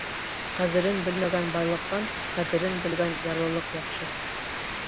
Ҡәҙерен белмәгән байлыҡтан, ҡәҙерен белгән ярлылыҡ яҡшы.